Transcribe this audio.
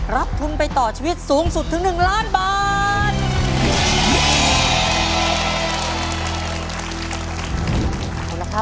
รับทุนไปต่อชีวิตสูงสุดถึง๑ล้านบาท